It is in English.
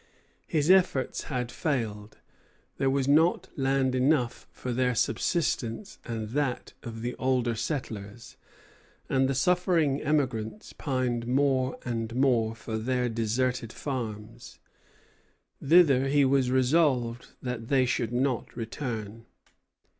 His efforts had failed. There was not land enough for their subsistence and that of the older settlers; and the suffering emigrants pined more and more for their deserted farms. Thither he was resolved that they should not return.